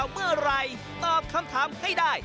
เมื่อไหร่ตอบคำถามให้ได้